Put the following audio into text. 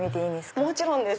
もちろんです。